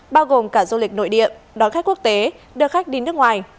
bao gồm cả du lịch nội địa đón khách quốc tế đưa khách đi nước ngoài